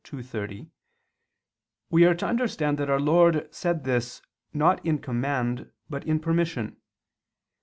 ii, 30), we are to understand that our Lord said this not in command but in permission.